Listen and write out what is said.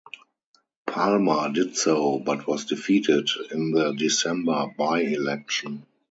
Palmer did so but was defeated in the December by-election.